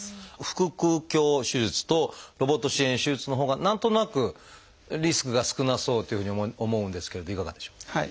腹腔鏡手術とロボット支援手術のほうが何となくリスクが少なそうというふうに思うんですけれどいかがでしょう？